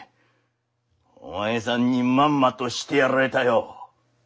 お前さんにまんまとしてやられたよ！